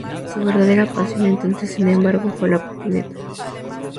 Su verdadera pasión entonces, sin embargo, fue la patineta.